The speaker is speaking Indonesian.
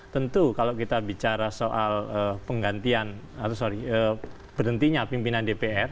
tentu kalau kita bicara soal berhentinya pimpinan dpr